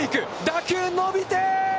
打球伸びてー！